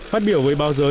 hát biểu với bao giờ